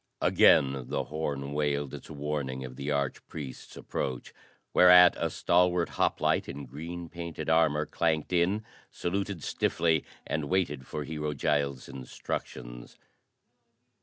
Again the horn wailed its warning of the arch priest's approach, whereat a stalwart hoplite in green painted armor clanked in, saluted stiffly and waited for Hero Giles' instructions.